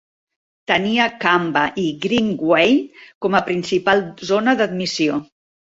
Tenia Kambah i Greenway com a principal zona d'admissió.